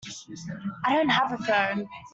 I don't have a phone.